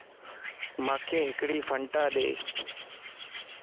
مانک ھڪڙي ڦنٽا ڏي